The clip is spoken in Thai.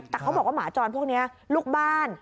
แต่เขาบอกว่าหมาจรพวกนี้ลูกบ้าน